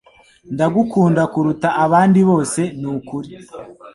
Ndagukunda kuruta abandi bose nukuri.